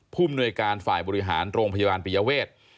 มนวยการฝ่ายบริหารโรงพยาบาลปิยเวท